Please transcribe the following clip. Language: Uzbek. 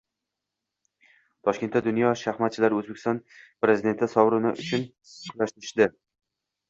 Toshkentda dunyo shaxmatchilari O‘zbekiston Prezidenti sovrini uchun kurashishading